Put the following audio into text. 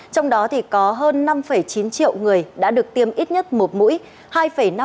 trong đó có hơn năm chín triệu người đã được tiêm ít nhất một mũi